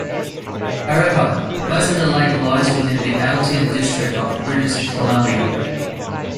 However, most of the lake lies within the Atlin District of British Columbia.